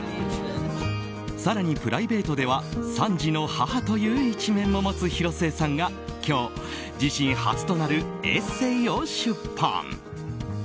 更に、プライベートでは３児の母という一面も持つ広末さんが今日、自身初となるエッセーを出版。